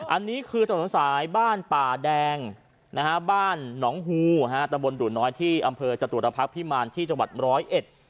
อันนี้คือถนนสายบ้านป่าแดงนะฮะบ้านหนองฮูฮะตะบนดุน้อยที่อำเภอจตุรพักษ์พิมารที่จังหวัดร้อยเอ็ด